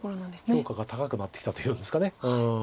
評価が高くなってきたというんですか。